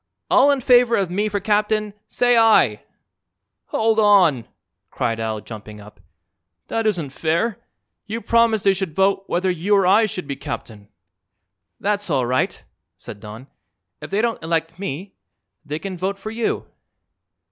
All in favor of me for captain say 'aye.'" "Hold on!" cried Al, jumping up. "That isn't fair. You promised they should vote whether you or I should be captain." "That's all right," said Don. "If they don't elect me they can vote for you."